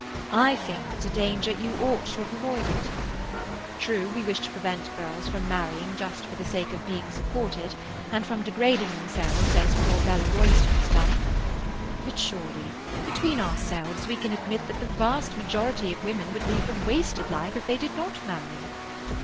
I think it's a danger you ought to have avoided. True, we wish to prevent girls from marrying just for the sake of being supported, and from degrading themselves as poor Bella Royston has done; but surely between ourselves we can admit that the vast majority of women would lead a wasted life if they did not marry."